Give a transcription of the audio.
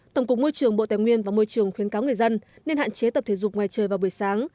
tổng cục môi trường bộ tài nguyên và môi trường khuyến cáo người dân nên hạn chế tập thể dục ngoài trời vào buổi sáng